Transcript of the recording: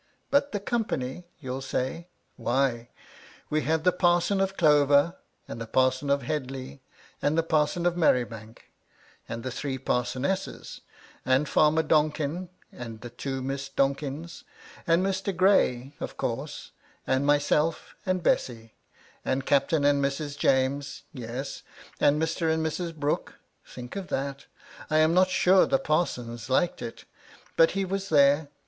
But the company ? you'll say. Why * we had the parson of Clover, and the parson of Head *leigh, and the parson of Merribank, and the three * parsonesses ; and Farmer Donkin and two Miss ' Donkins ; and Mr. Gray (of course), and myself and ' Bessy ; and Captain and Mrs. James ; yes, and Mr. ' and Mrs. Brooke : think of that ! I am not so sure * the parsons liked it ; but he was there.